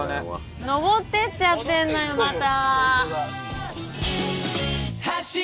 上ってっちゃってんのよまた！